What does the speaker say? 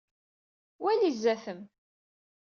Wali zdat-m.